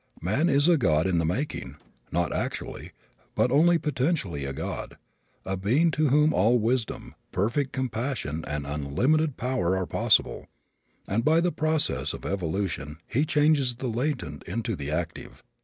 Man is a god in the making not actually, but only potentially a god, a being to whom all wisdom, perfect compassion and unlimited power are possible; and by the process of evolution he changes the latent into the active.